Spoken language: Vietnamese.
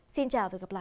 xin chào và hẹn gặp lại